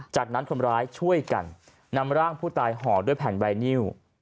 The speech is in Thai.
จากนั้นคนร้ายช่วยกันนำร่างผู้ตายห่อด้วยแผ่นไวนิว